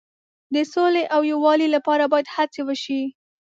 د سولې او یووالي لپاره باید هڅې وشي.